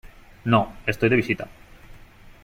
no , estoy de visita .